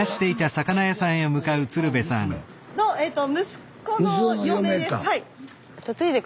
息子の嫁です。